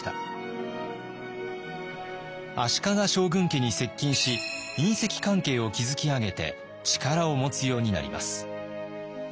足利将軍家に接近し姻戚関係を築き上げて力を持つようになります。